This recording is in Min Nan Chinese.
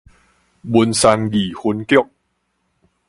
文山二分局